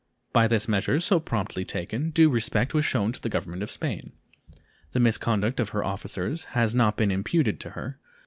By this measure, so promptly taken, due respect was shown to the Government of Spain. The misconduct of her officers has not been imputed to her.